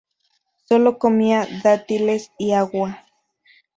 Solo comía dátiles y agua.